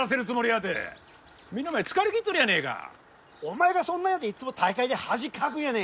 みんなお前疲れきっとるやねえか。お前がそんなんやていつも大会で恥かくんやねえか！